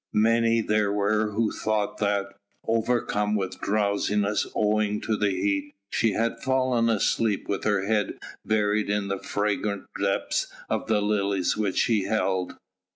Many there were who thought that, overcome with drowsiness owing to the heat, she had fallen asleep with her head buried in the fragrant depths of the lilies which she held.